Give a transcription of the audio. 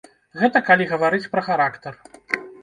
Гэта калі гаварыць пра характар.